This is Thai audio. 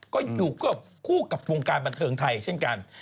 ก็อยู่ควบคู่กับวงการบันเทิงไทยเช่นกัน